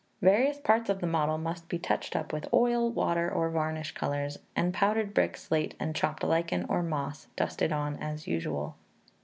Various parts of the model must be touched up with oil, water, or varnish colours; and powdered brick, slate, and chopped lichen, or moss, dusted on as usual.